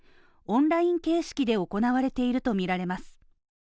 オンライン形式で行われているとみられます。